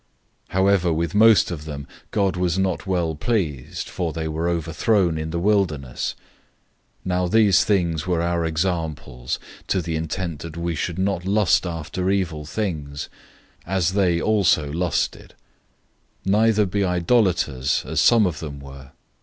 010:005 However with most of them, God was not well pleased, for they were overthrown in the wilderness. 010:006 Now these things were our examples, to the intent we should not lust after evil things, as they also lusted. 010:007 Neither be idolaters, as some of them were.